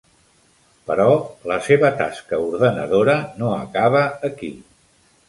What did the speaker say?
Però la seva tasca ordenadora no acaba aquí.